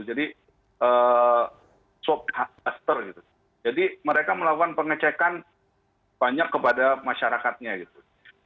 jadi swab huster gitu jadi mereka melakukan pengecekan banyak kepada masyarakatnya gitu